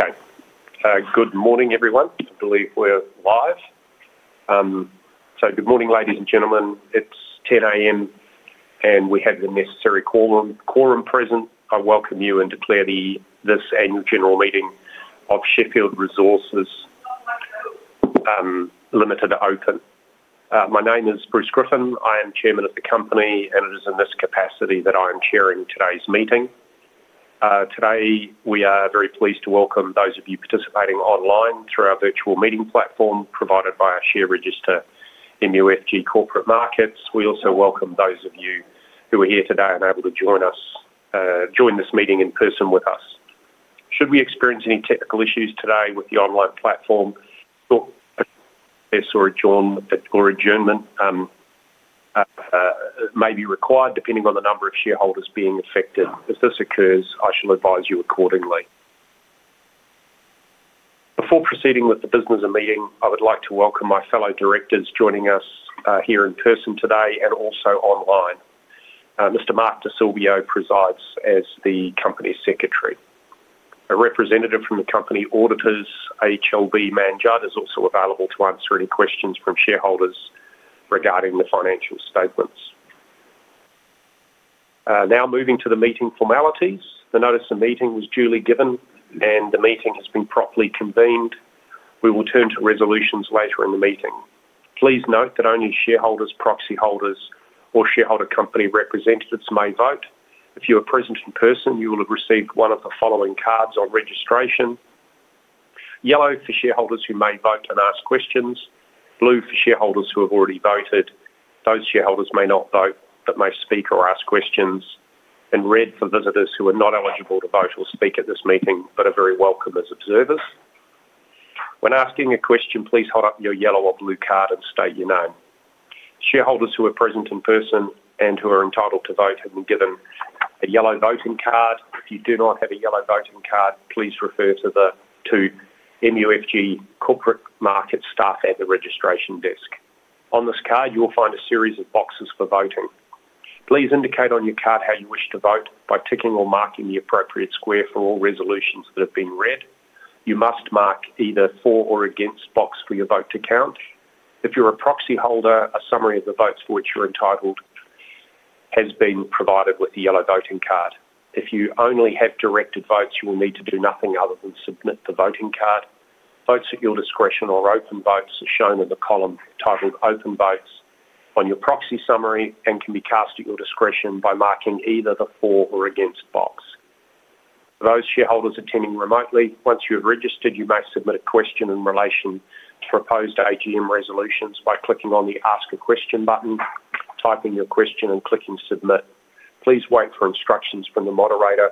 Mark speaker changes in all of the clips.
Speaker 1: Okay. Good morning, everyone. I believe we're live. Good morning, ladies and gentlemen. It's 10:00 A.M., and we have the necessary quorum present. I welcome you and declare this annual general meeting of Sheffield Resources Ltd open. My name is Bruce Griffin. I am Chairman of the company, and it is in this capacity that I am chairing today's meeting. Today, we are very pleased to welcome those of you participating online through our virtual meeting platform provided by our share register in the MUFG Corporate Markets. We also welcome those of you who are here today and able to join this meeting in person with us. Should we experience any technical issues today with the online platform, it may be required depending on the number of shareholders being affected. If this occurs, I shall advise you accordingly. Before proceeding with the business of meeting, I would like to welcome my fellow directors joining us here in person today and also online. Mr. Mark Di Silvio presides as the Company Secretary. A representative from the company auditors, HLB Mann Judd, is also available to answer any questions from shareholders regarding the financial statements. Now, moving to the meeting formalities, the notice of meeting was duly given, and the meeting has been properly convened. We will turn to resolutions later in the meeting. Please note that only shareholders, proxy holders, or shareholder company representatives may vote. If you are present in person, you will have received one of the following cards on registration: yellow for shareholders who may vote and ask questions, blue for shareholders who have already voted. Those shareholders may not vote but may speak or ask questions, and red for visitors who are not eligible to vote or speak at this meeting but are very welcome as observers. When asking a question, please hold up your yellow or blue card and state your name. Shareholders who are present in person and who are entitled to vote have been given a yellow voting card. If you do not have a yellow voting card, please refer to the MUFG Corporate Markets staff at the registration desk. On this card, you will find a series of boxes for voting. Please indicate on your card how you wish to vote by ticking or marking the appropriate square for all resolutions that have been read. You must mark either for or against box for your vote to count. If you're a proxy holder, a summary of the votes for which you're entitled has been provided with the yellow voting card. If you only have directed votes, you will need to do nothing other than submit the voting card. Votes at your discretion or open votes are shown in the column titled "Open Votes" on your proxy summary and can be cast at your discretion by marking either the for or against box. Those shareholders attending remotely, once you have registered, you may submit a question in relation to proposed AGM resolutions by clicking on the "Ask a Question" button, typing your question, and clicking "Submit." Please wait for instructions from the moderator.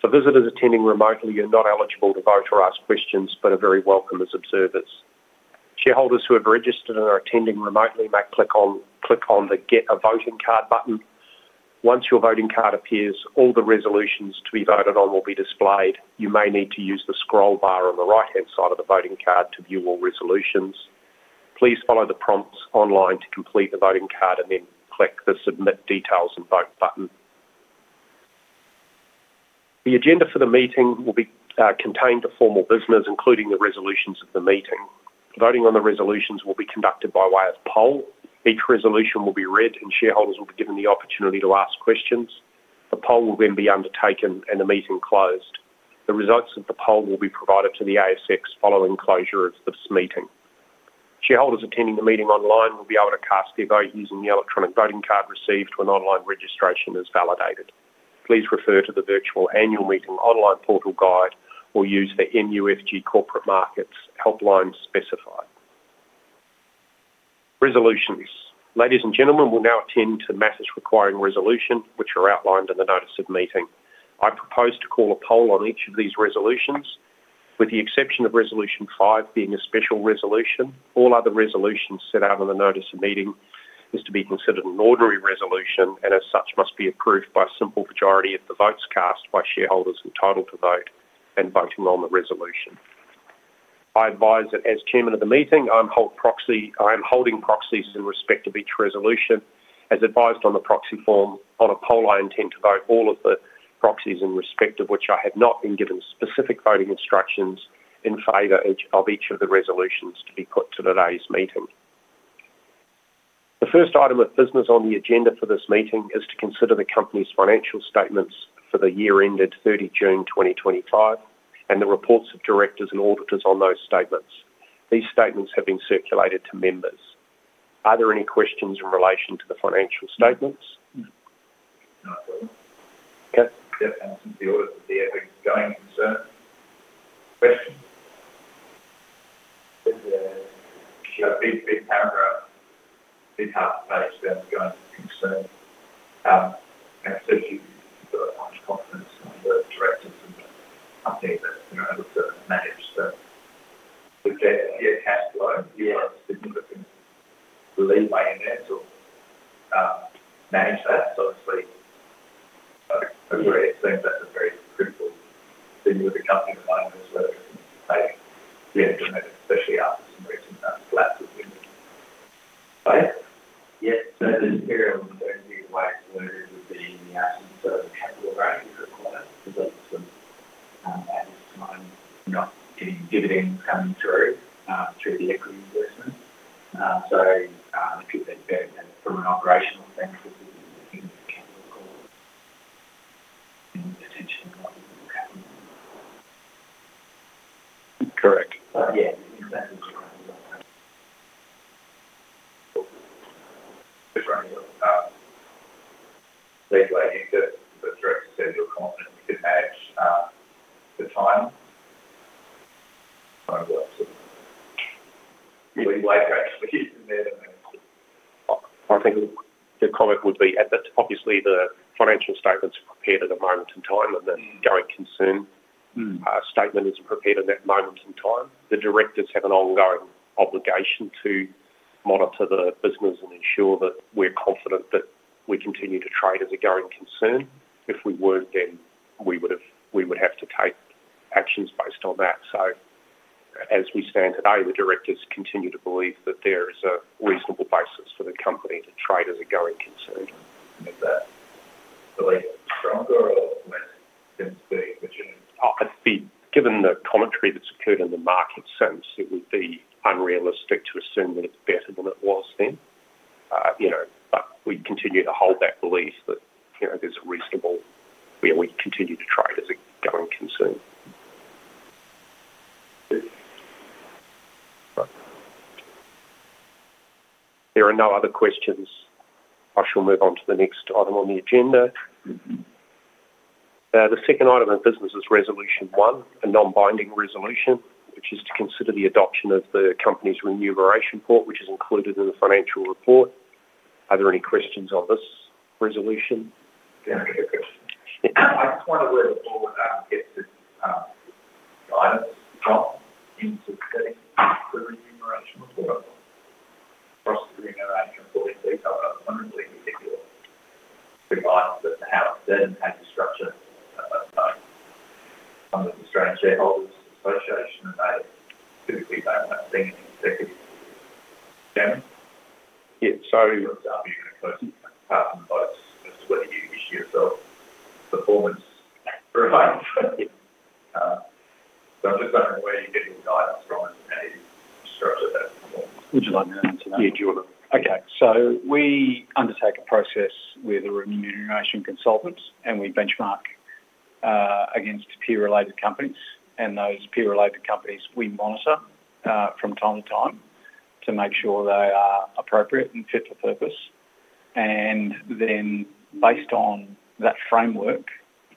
Speaker 1: For visitors attending remotely, you're not eligible to vote or ask questions but are very welcome as observers. Shareholders who have registered and are attending remotely may click on the "Get a Voting Card" button. Once your voting card appears, all the resolutions to be voted on will be displayed. You may need to use the scroll bar on the right-hand side of the voting card to view all resolutions. Please follow the prompts online to complete the voting card and then click the "Submit Details and Vote" button. The agenda for the meeting will be contained to formal business, including the resolutions of the meeting. Voting on the resolutions will be conducted by way of poll. Each resolution will be read, and shareholders will be given the opportunity to ask questions. The poll will then be undertaken and the meeting closed. The results of the poll will be provided to the ASX following closure of this meeting. Shareholders attending the meeting online will be able to cast their vote using the electronic voting card received when online registration is validated. Please refer to the virtual annual meeting online portal guide or use the MUFG Corporate Markets helpline specified. Resolutions. Ladies and gentlemen, we'll now attend to matters requiring resolution, which are outlined in the notice of meeting. I propose to call a poll on each of these resolutions, with the exception of resolution five being a special resolution. All other resolutions set out in the notice of meeting are to be considered an ordinary resolution, and as such, must be approved by a simple majority of the votes cast by shareholders entitled to vote and voting on the resolution. I advise that as Chairman of the meeting, I am holding proxies in respect of each resolution. As advised on the proxy form, on a poll, I intend to vote all of the proxies in respect of which I have not been given specific voting instructions in favor of each of the resolutions to be put to today's meeting. The first item of business on the agenda for this meeting is to consider the company's financial statements for the year ended 30 June 2025 and the reports of directors and auditors on those statements. These statements have been circulated to members. Are there any questions in relation to the financial statements? No. Okay.
Speaker 2: Yeah. The auditors are going concern questions. Yeah. Big, big paragraph, big half of page that's going concern. I've said you've got a bunch of confidence in the directors and the company that you're able to manage. Yeah, cash flow, you have significant leeway in there to manage that. Obviously, I agree. It seems that's a very critical thing with the company to manage whether it can take the internet, especially after some recent collapses. Yeah. The material is going to be the way to do the assets, so the capital value requirement is up to some added time. Not getting dividends coming through the equity investment. If you've been from an operational standpoint, it's significantly capital calling attention to capitalism.
Speaker 1: Correct. Yeah.
Speaker 2: Different leeway here for the directors to have your confidence to manage the time.
Speaker 1: I think the comment would be that obviously the financial statements are prepared at a moment in time, and the going concern statement isn't prepared at that moment in time. The directors have an ongoing obligation to monitor the business and ensure that we're confident that we continue to trade as a going concern. If we weren't, then we would have to take actions based on that. As we stand today, the directors continue to believe that there is a reasonable basis for the company to trade as a going concern.
Speaker 2: Is that really stronger or less sensitive?
Speaker 1: Given the commentary that's occurred in the market sense, it would be unrealistic to assume that it's better than it was then. We continue to hold that belief that there's a reasonable—we continue to trade as a going concern. There are no other questions. I shall move on to the next item on the agenda. The second item of business is resolution one, a non-binding resolution, which is to consider the adoption of the company's remuneration report, which is included in the financial report. Are there any questions on this resolution?
Speaker 2: I just wanted to wear the ball without it gets to guidance drop into getting the Remuneration Report across the agenda in full detail. I don't want to be particular regarding how it's done and how you structure some of the Australian Shareholders Association, and they typically don't have any executive chairman.
Speaker 1: Yeah. So.
Speaker 2: What's our view on the process apart from the votes as to whether you issue yourself performance rights?
Speaker 1: Yeah.
Speaker 2: I'm just wondering where you get your guidance from and how you structure that performance.
Speaker 3: Would you like me to answer that?
Speaker 1: Yeah. Okay. We undertake a process with a remuneration consultant, and we benchmark against peer-related companies. Those peer-related companies, we monitor from time to time to make sure they are appropriate and fit for purpose. Based on that framework,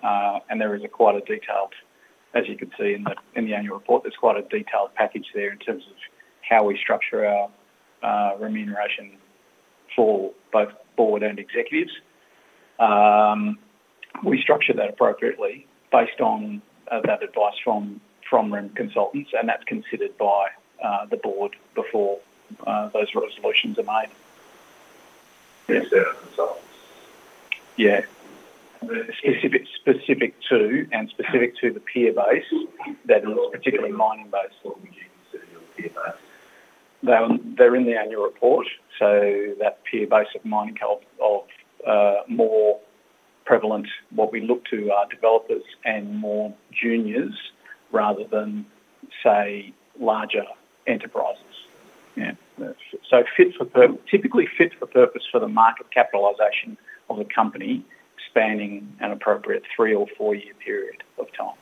Speaker 1: and there is quite a detailed—as you can see in the annual report, there is quite a detailed package there in terms of how we structure our remuneration for both board and executives. We structure that appropriately based on that advice from REM consultants, and that is considered by the board before those resolutions are made.
Speaker 2: You said consultants?
Speaker 1: Yeah. Specific to and specific to the peer base, that is particularly mining-based.
Speaker 2: What would you consider your peer base?
Speaker 1: They're in the annual report. That peer base of mining help is more prevalent. What we look to are developers and more juniors rather than, say, larger enterprises. Yeah. Typically fit for purpose for the market capitalization of the company spanning an appropriate three or four-year period of time.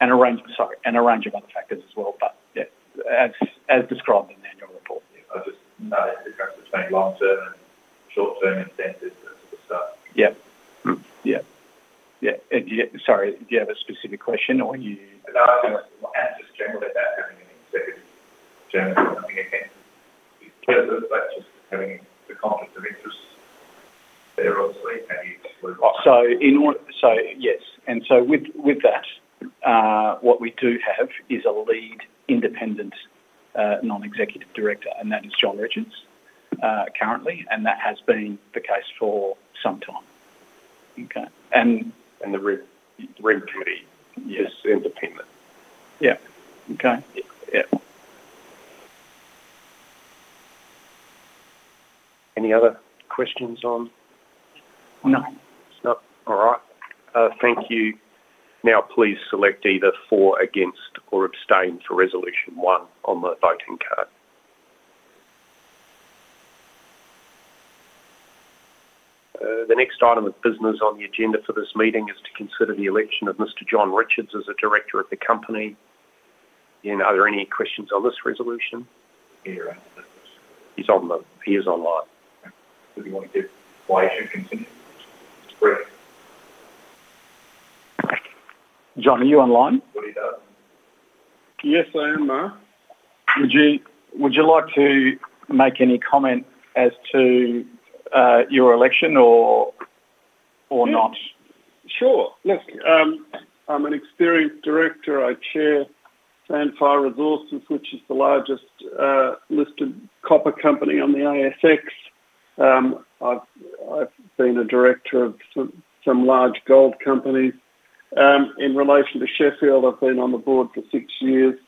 Speaker 1: A range of other factors as well, but yeah, as described in the annual report.
Speaker 2: I just know it's going to take long-term and short-term incentives and sort of stuff.
Speaker 1: Yeah. Yeah. Yeah. Sorry. Do you have a specific question, or are you?
Speaker 2: No. I just want to ask just generally about having an executive chairman or something against the president, but just having the conflict of interest there, obviously, how do you exclude?
Speaker 1: Yes. With that, what we do have is a Lead Independent Non-Executive Director, and that is John Richards currently, and that has been the case for some time. Okay.
Speaker 4: The Rem committee is independent.
Speaker 1: Yeah. Okay. Yeah. Any other questions on? No. No. All right. Thank you. Now, please select either for, against, or abstain for resolution one on the voting card. The next item of business on the agenda for this meeting is to consider the election of Mr. John Richards as a Director of the company. Are there any questions on this resolution?
Speaker 5: He answered that question.
Speaker 1: He's online.
Speaker 3: Does he want to give why he should continue?
Speaker 1: John, are you online?
Speaker 3: What are you doing?
Speaker 6: Yes, I am.
Speaker 1: Would you like to make any comment as to your election or not?
Speaker 6: Sure. Look, I'm an experienced director. I chair Sandfire Resources, which is the largest listed copper company on the ASX. I've been a director of some large gold companies. In relation to Sheffield, I've been on the board for six years,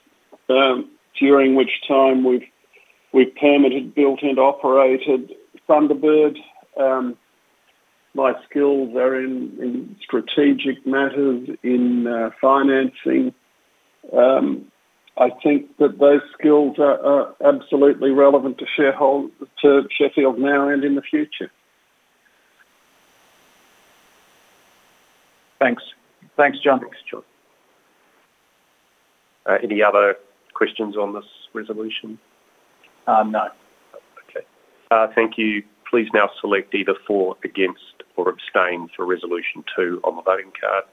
Speaker 6: during which time we've permitted, built, and operated Thunderbird. My skills are in strategic matters, in financing. I think that those skills are absolutely relevant to Sheffield now and in the future.
Speaker 1: Thanks. Thanks, John. Any other questions on this resolution? No. Okay. Thank you. Please now select either for, against, or abstain for resolution two on the voting card.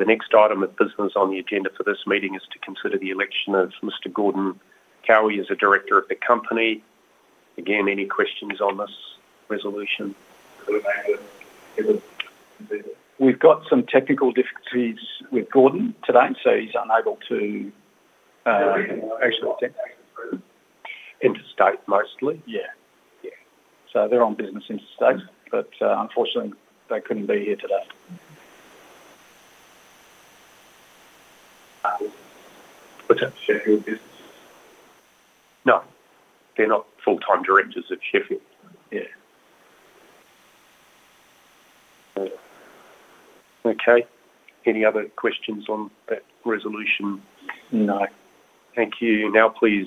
Speaker 1: The next item of business on the agenda for this meeting is to consider the election of Mr. Gordon Cowe as a director of the company. Again, any questions on this resolution?
Speaker 5: Could we make it?
Speaker 1: We've got some technical difficulties with Gordon today, so he's unable to. Interstate. Interstate mostly.
Speaker 6: Yeah.
Speaker 1: Yeah. They're on business interstate, but unfortunately, they couldn't be here today.
Speaker 7: What's that? Sheffield business?
Speaker 1: No. They're not full-time directors at Sheffield.
Speaker 7: Yeah.
Speaker 1: Okay. Any other questions on that resolution?
Speaker 7: No.
Speaker 1: Thank you. Now, please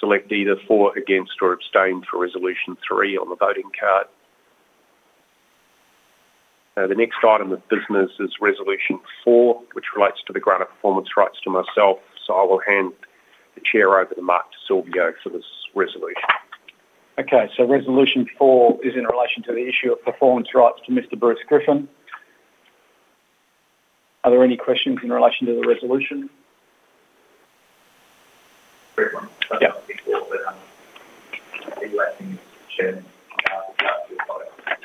Speaker 1: select either for, against, or abstain for resolution three on the voting card. The next item of business is resolution four, which relates to the grant of performance rights to myself. I will hand the chair over to Mark Di Silvio for this resolution.
Speaker 4: Okay. Resolution four is in relation to the issue of performance rights to Mr. Bruce Griffin. Are there any questions in relation to the resolution?
Speaker 2: Griffin.
Speaker 1: Yeah.
Speaker 4: Are you asking Chairman about the issue of performance rights?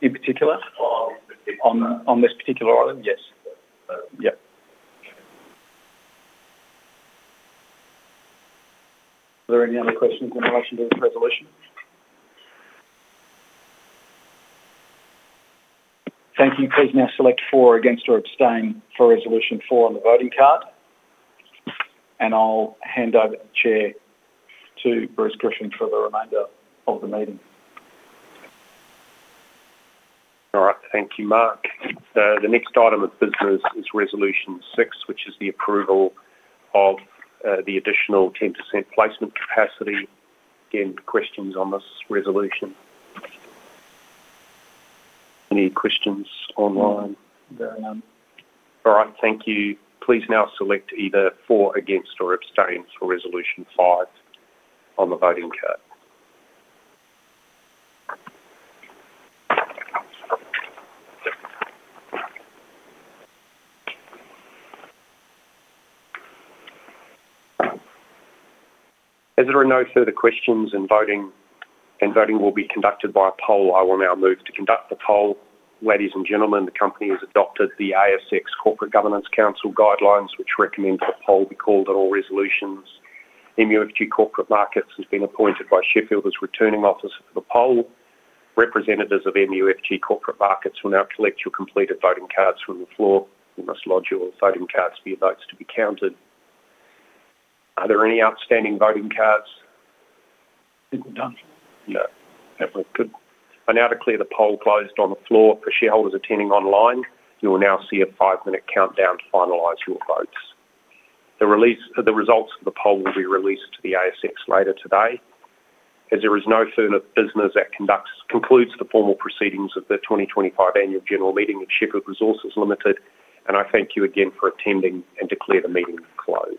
Speaker 4: In particular? On this particular island? On this particular island, yes. Yeah. Are there any other questions in relation to this resolution? Thank you. Please now select for, against, or abstain for resolution four on the voting card. I will hand over the chair to Bruce Griffin for the remainder of the meeting.
Speaker 1: All right. Thank you, Mark. The next item of business is resolution six, which is the approval of the additional 10% placement capacity. Again, questions on this resolution? Any questions online? All right. Thank you. Please now select either for, against, or abstain for resolution five on the voting card. As there are no further questions and voting will be conducted by a poll, I will now move to conduct the poll. Ladies and gentlemen, the company has adopted the ASX Corporate Governance Council guidelines, which recommend that the poll be called at all resolutions. MUFG Corporate Markets has been appointed by Sheffield as returning officer for the poll. Representatives of MUFG Corporate Markets will now collect your completed voting cards from the floor. You must lodge your voting cards for your votes to be counted. Are there any outstanding voting cards?
Speaker 4: Done. No. That worked good.
Speaker 1: I now declare the poll closed on the floor. For shareholders attending online, you will now see a five-minute countdown to finalize your votes. The results of the poll will be released to the ASX later today. As there is no further business, that concludes the formal proceedings of the 2025 annual general meeting of Sheffield Resources Limited. I thank you again for attending and declare the meeting closed.